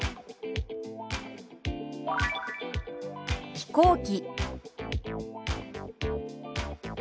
「飛行機」。